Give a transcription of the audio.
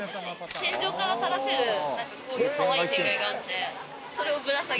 天井から垂らせるかわいい天蓋があって。